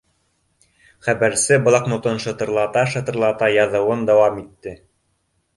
Хәбәрсе блокнотын шытырлата-шытырлата яҙыуын дауам итте